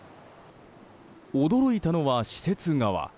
驚いたのは施設側。